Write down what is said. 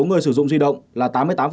người sử dụng di động là tám mươi tám